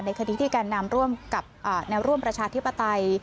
คดีที่แกนนำร่วมกับแนวร่วมประชาธิปไตย